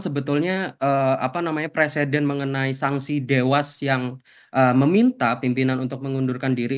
sebetulnya apa namanya presiden mengenai sanksi dewas yang meminta pimpinan untuk mengundurkan diri